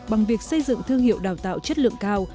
bằng việc xây dựng thương hiệu đào tạo chất lượng cao